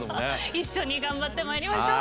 一緒に頑張ってまいりましょう。